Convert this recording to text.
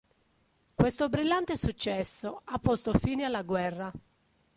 Questo brillante successo ha posto fine alla guerra.